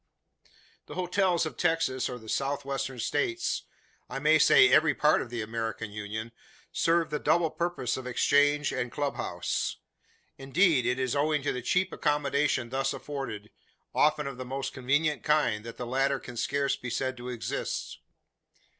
The hotels of Texas or the South Western States I may say every part of the American Union serve the double purpose of exchange and club house. Indeed, it is owing to the cheap accommodation thus afforded often of the most convenient kind that the latter can scarce be said to exist.